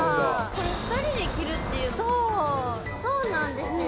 ２人で着るっていうのが心強そうなんですよ。